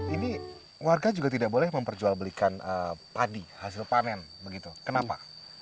ini warga juga tidak boleh memperjualbelikan padi hasil panen begitu kenapa